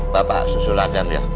bapak susul agam ya